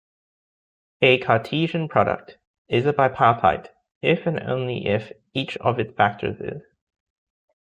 A Cartesian product is bipartite if and only if each of its factors is.